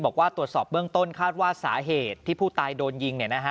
บอกว่าตรวจสอบเบื้องต้นคาดว่าสาเหตุที่ผู้ตายโดนยิง